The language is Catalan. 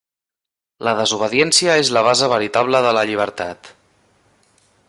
La desobediència és la base veritable de la llibertat.